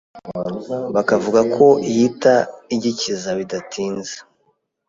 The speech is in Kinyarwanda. bakavuga ko ihita igikiza bidatinze